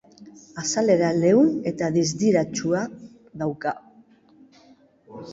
Azalera leun eta distiratsua dauka.